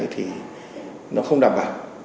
thì nó không đảm bảo